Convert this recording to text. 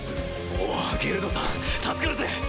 おぉゲルドさん助かるぜ！